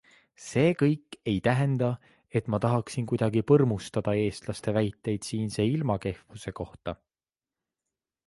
See kõik ei tähenda, et ma tahaksin kuidagi põrmustada eestlaste väiteid siinse ilma kehvuse kohta.